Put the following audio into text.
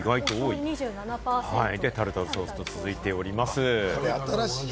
そしてタルタルソースと続いております。